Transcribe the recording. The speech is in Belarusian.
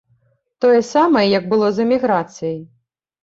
Тое самае, як было з эміграцыяй.